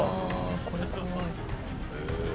これ怖い。